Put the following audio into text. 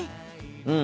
うん。